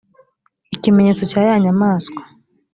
ikimenyetso cya ya nyamaswa